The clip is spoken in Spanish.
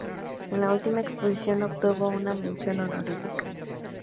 En la última Exposición obtuvo una mención honorífica.